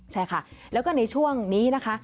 ใช่ค่ะแล้วก็ในช่วงนี้นะคะ